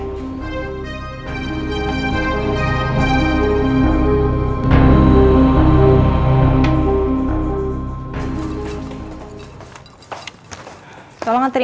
kita menyembah maturity